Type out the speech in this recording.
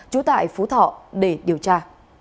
chủ tại phú thọ để điều tra